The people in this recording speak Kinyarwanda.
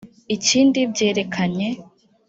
Ikindi byerekanye